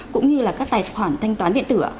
cũng như là các tài khoản thanh toán điện tử ạ